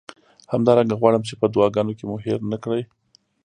همدارنګه غواړم چې په دعاګانو کې مې هیر نه کړئ.